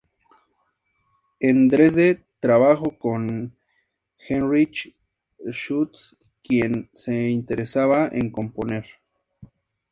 En Dresde trabajó con Heinrich Schütz, quien se interesaba en componer.